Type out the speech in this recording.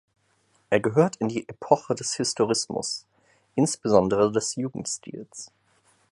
Er gehört in die Epoche des Historismus insbesondere des Jugendstils.